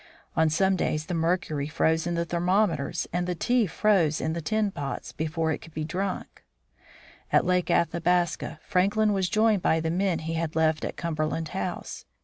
On some days the mercury froze in the thermometers, and the tea froze in the tin pots before it could be drunk. At Lake Athabasca Franklin was joined by the men he had left at Cumberland House.